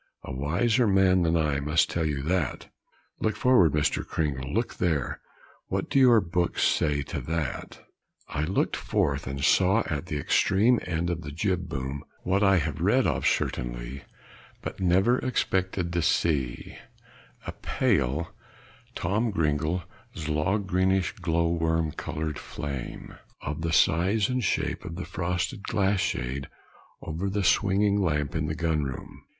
"A wiser man than I must tell you that; look forward Mr. Cringle look there; what do your books say to that?" I looked forth, and saw at the extreme end of the jib boom, what I have read of, certainly, but never expected to see, a pale, greenish, glow worm colored flame, of the size and shape of the frosted glass shade over the swinging lamp in the gun room.